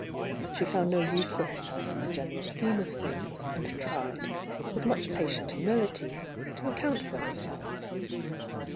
She found no use for herself in the gen eral scheme of thmgs, and tried, with much patient numihty, to account for herself.